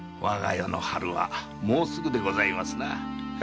我が世の春はもうすぐでございますな。